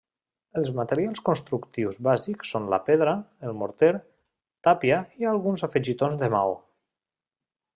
Els materials constructius bàsics són la pedra, el morter, tàpia i alguns afegitons de maó.